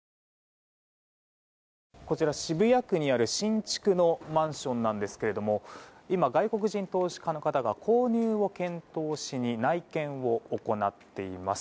こちら渋谷区にある新築のマンションなんですが今、外国人投資家の方が購入を検討しに内見を行っています。